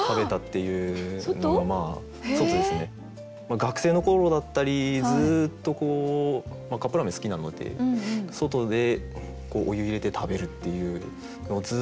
学生の頃だったりずっとカップラーメン好きなので外でお湯入れて食べるっていうのをずっとやっていたので。